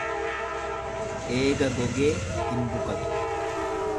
Eega gogee hin bukatu.